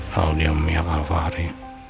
kalau dia memihak alfahri